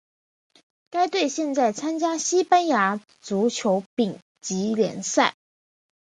该队现在参加西班牙足球丙级联赛。